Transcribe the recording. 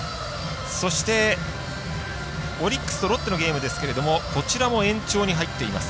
そして、オリックスとロッテのゲームですがこちらも延長に入っています。